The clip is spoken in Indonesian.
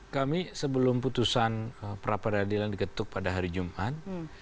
kami sebelum putusan perapadadilan diketuk pada hari jumat